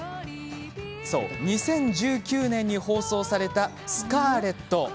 そう、２０１９年に放送された「スカーレット」。